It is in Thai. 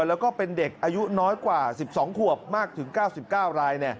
แล้วก็เป็นเด็กอายุน้อยกว่า๑๒ขวบมากถึง๙๙ราย